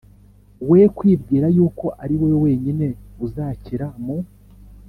We kwibwira yuko ari wowe wenyine uzakira mu